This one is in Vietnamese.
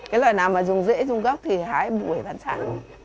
cái loại nào mà dùng rễ dùng gốc thì hái buổi ban sáng